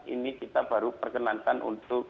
ini kita baru perkenankan untuk